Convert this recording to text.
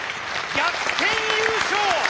逆転優勝！